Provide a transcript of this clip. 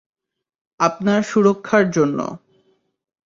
আপনার সুরক্ষার জন্য।